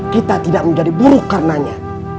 kita tidak menjadi buruh karenanya